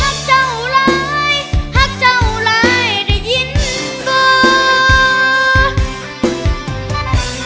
หักเจ้าลายหักเจ้าลายได้ยินก็